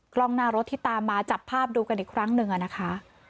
กล้องหน้ารถที่ตามมาจับภาพดูกันอีกครั้งหนึ่งอะนะคะ